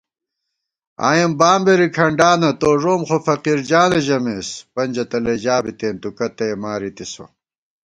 آئېم بامبېری کھڈانہ تو ݫوم خو فقیرجانہ ژمېس * پنجہ تلَئ ژا بِتېن تُو کتّیَہ مارِتِسہ